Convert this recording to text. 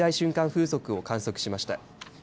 風速を観測しました。